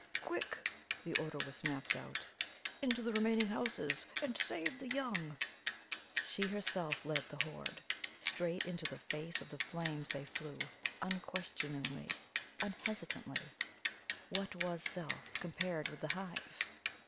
"Quick!" the order was snapped out. "Into the remaining houses, and save the young!" She herself led the horde. Straight into the face of the flames they flew, unquestioningly, unhesitantly. What was self, compared with the Hive?